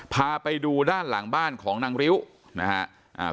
พาไปดูด้านหลังบ้านของนางริ้วนะครับ